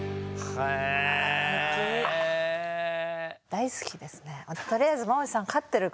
大好きですね。